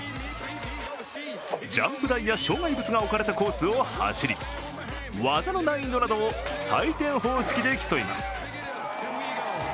ジャンプ台や障害物が置かれたコースを走り技の難易度などを採点方式で競います。